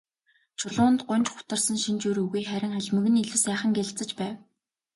Чулуунд гуньж гутарсан шинж ер үгүй, харин халимаг нь илүү сайхан гялалзаж байв.